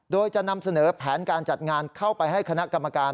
โดยจะนำเสนอแผนการจัดงานเข้าไปให้คณะกรรมการ